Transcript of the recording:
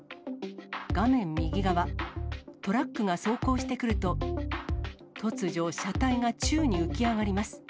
画面右側、トラックが走行してくると、突如、車体が宙に浮き上がります。